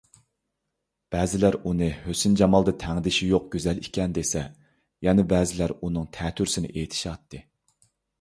بەزىلەر ئۇنى ھۆسن - جامالدا تەڭدېشى يوق گۈزەل ئىكەن دېسە، يەنە بەزىلەر ئۇنىڭ تەتۈرىسىنى ئېيتىشاتتى.